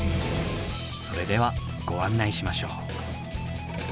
それではご案内しましょう。